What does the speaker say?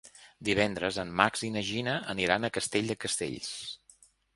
Divendres en Max i na Gina aniran a Castell de Castells.